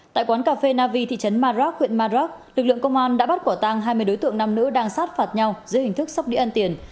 tại quán cà phê navi thị trấn madrock huyện madrock lực lượng công an đã bắt quả tàng hai mươi đối tượng năm nữ đang sát phạt nhau dưới hình thức sốc đi ăn tiền